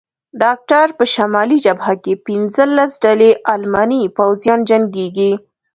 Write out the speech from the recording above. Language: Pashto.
ډاکټر: په شمالي جبهه کې پنځلس ډلې الماني پوځیان جنګېږي.